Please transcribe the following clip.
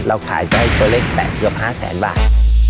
เราขายได้ตัวเล็กแปดเกือบห้าแสนบาท